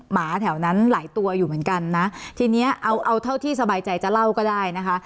หมาแถวนั้นหลายตัวอยู่เหมือนกันนะทีนี้เอาเอาเท่าที่สบายใจจะเล่าก็ได้นะคะ